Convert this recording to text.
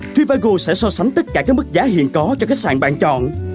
tiva sẽ so sánh tất cả các mức giá hiện có cho khách sạn bạn chọn